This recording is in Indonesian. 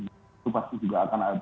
itu pasti juga akan ada